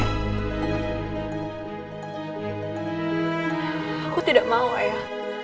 aku tidak mau ayah